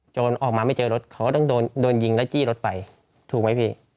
ออกมาไม่เจอรถเขาก็ต้องโดนยิงแล้วจี้รถไปถูกไหมพี่